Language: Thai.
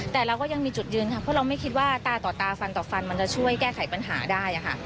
แต่เราก็ยังมีจุดยืนค่ะเพราะเราไม่คิดว่าตาต่อตาฟันต่อฟันมันจะช่วยแก้ไขปัญหาได้ค่ะ